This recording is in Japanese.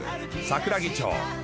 桜木町。